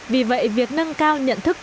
vì vậy việc nâng cao nhận thức